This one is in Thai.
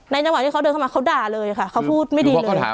จังหวะที่เขาเดินเข้ามาเขาด่าเลยค่ะเขาพูดไม่ดีเลย